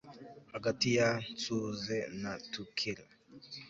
hagati ya nsuze na thukela